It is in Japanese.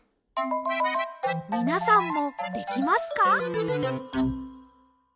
みなさんもできますか？